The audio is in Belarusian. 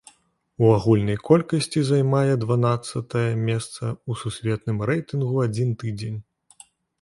У агульнай колькасці займае дванаццатае месца ў сусветным рэйтынгу адзін тыдзень.